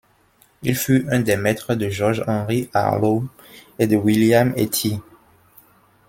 Il fut un des maîtres de George Henry Harlow et de William Etty.